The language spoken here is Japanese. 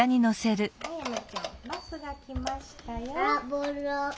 「バスが来ましたよ。